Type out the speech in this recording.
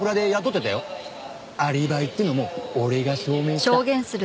アリバイってのも俺が証明した。